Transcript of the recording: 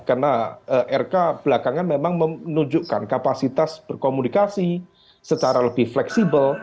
karena rk belakangan memang menunjukkan kapasitas berkomunikasi secara lebih fleksibel